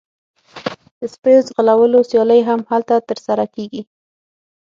د سپیو ځغلولو سیالۍ هم هلته ترسره کیږي